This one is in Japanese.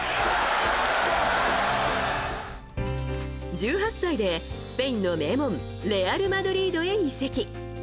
１８歳でスペインの名門レアル・マドリードへ移籍。